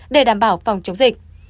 để đảm bảo phòng chống dịch